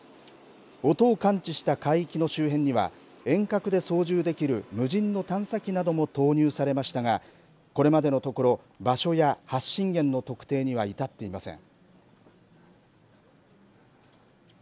音を感知した海域の周辺には遠隔で操縦できる無人の探査機なども投入されましたがこれまでのところ場所や発信元の特定には至っていません。